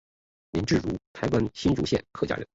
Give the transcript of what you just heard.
林志儒台湾新竹县客家人。